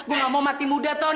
gue gak mau mati muda ton